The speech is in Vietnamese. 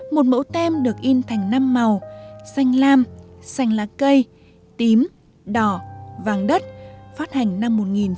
một mẫu tem được in thành năm màu xanh lam xanh lá cây tím đỏ vàng đất phát hành năm một nghìn chín trăm bảy mươi